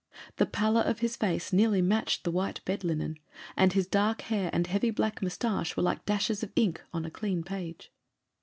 The pallor of his face nearly matched the white bed linen, and his dark hair and heavy black moustache were like dashes of ink on a clean page.